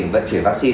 vận chuyển vaccine